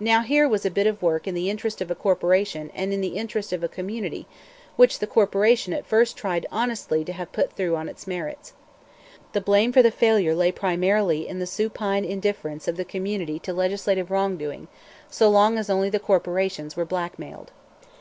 Now here was a bit of work in the interest of a corporation and in the interest of a community, which the corporation at first tried honestly to have put through on its merits. The blame for the failure lay primarily in the supine indifference of the community to legislative wrong doing, so long as only the corporations were blackmailed.